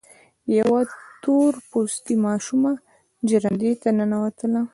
يوه تور پوستې ماشومه ژرندې ته را ننوته.